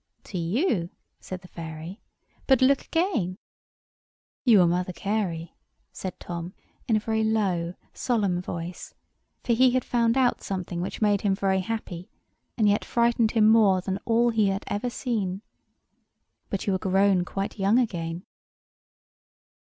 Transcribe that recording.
"To you," said the fairy. "But look again." "You are Mother Carey," said Tom, in a very low, solemn voice; for he had found out something which made him very happy, and yet frightened him more than all that he had ever seen. "But you are grown quite young again."